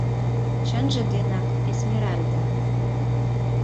Чынже денак Эсмеральда.